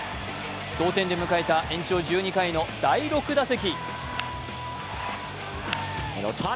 同点で迎えた延長１２回の第６打席。